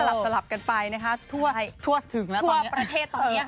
ก็สลับกันไปนะคะทั่วประเทศตอนนี้